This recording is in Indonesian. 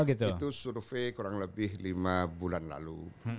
itu survei kurang lebih lima bulan lalu